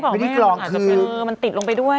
มันติดลงไปด้วย